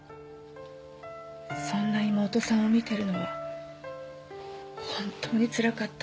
そんな妹さんを見てるのは本当につらかったって。